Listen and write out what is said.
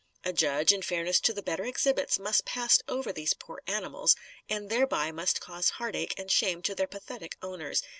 A judge, in fairness to the better exhibits, must pass over these poor animals; and thereby must cause heartache and shame to their pathetic owners.